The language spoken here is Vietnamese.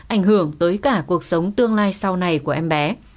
ảnh hưởng tới cả cuộc sống tương lai sau này của em bé